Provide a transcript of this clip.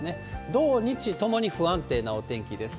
土日ともに不安定なお天気です。